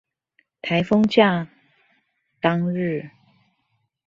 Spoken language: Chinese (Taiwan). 颱風假當日